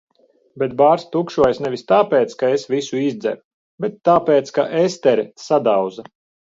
Bet bārs tukšojas nevis tāpēc, ka es visu izdzeru. Bet tāpēc ka Estere sadauza.